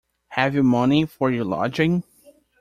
Have you money for your lodging?